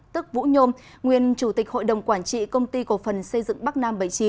tức vũ nhôm nguyên chủ tịch hội đồng quản trị công ty cổ phần xây dựng bắc nam bảy mươi chín